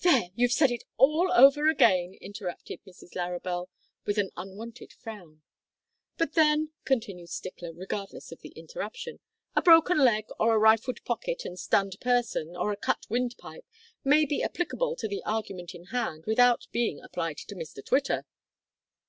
"There, you've said it all over again," interrupted Mrs Larrabel, with an unwonted frown. "But then," continued Stickler, regardless of the interruption, "a broken leg, or a rifled pocket and stunned person, or a cut windpipe, may be applicable to the argument in hand without being applied to Mr Twitter."